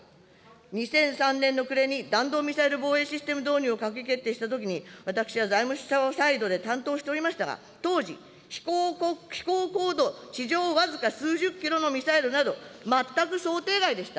２００３年の暮れに弾道ミサイル防衛システム導入を閣議決定したときに、私は財務省サイドで担当しておりましたが、当時、飛行高度地上僅か数十キロのミサイルなど、全く想定外でした。